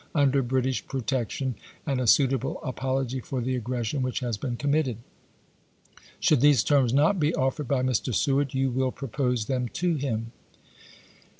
Loni iiiitler British protection, and a suitable apology for the aggression which has been committed. Should these terms not be offered by Mr. Seward, you will propose them to him. Lvous.Nov "ito, 1861.